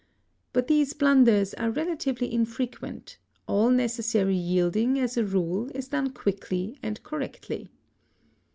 But these blunders are relatively infrequent: all necessary yielding, as a rule, is done quickly and correctly.